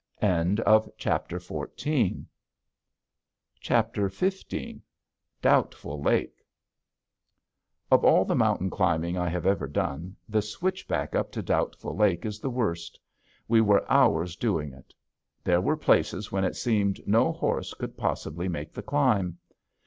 _" XV DOUBTFUL LAKE Of all the mountain climbing I have ever done the switchback up to Doubtful Lake is the worst. We were hours doing it. There were places when it seemed no horse could possibly make the climb.